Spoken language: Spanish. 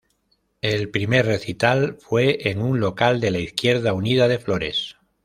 El primer recital fue en un local de la Izquierda Unida de Flores.